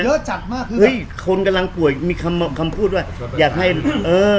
เยอะจัดมากคือเฮ้ยคนกำลังป่วยมีคำคำพูดว่าอยากให้เออ